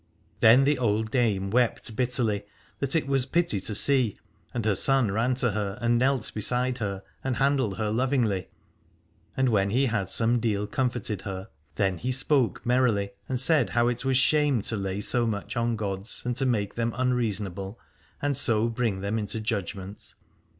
Then the old dame wept bitterly, that it was pity to see, and her son ran to her and knelt beside her and handled her lovingly. And when he had some deal comforted her, then he spoke merrily and said how it was shame to lay so much on gods and to make them unreasonable and so bring them into judgment.